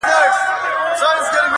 چي لمن د شپې خورېږي ورځ تېرېږي.